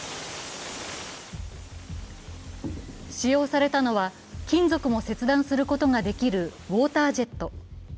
使用されたのは、金属も切断することができるウォータージェット。